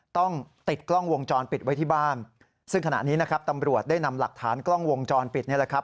ต้องติดกล้องวงจรปิดไว้ที่บ้านซึ่งขณะนี้นะครับตำรวจได้นำหลักฐานกล้องวงจรปิดนี่แหละครับ